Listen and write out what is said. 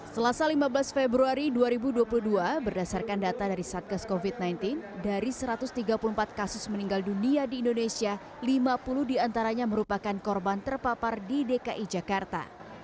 selasa lima belas februari dua ribu dua puluh dua berdasarkan data dari satgas covid sembilan belas dari satu ratus tiga puluh empat kasus meninggal dunia di indonesia lima puluh diantaranya merupakan korban terpapar di dki jakarta